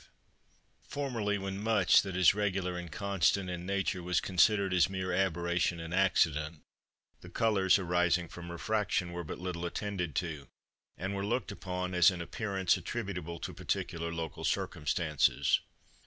285. Formerly when much that is regular and constant in nature was considered as mere aberration and accident, the colours arising from refraction were but little attended to, and were looked upon as an appearance attributable to particular local circumstances.